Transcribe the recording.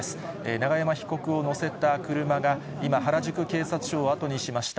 永山被告を乗せた車が今、原宿警察署を後にしました。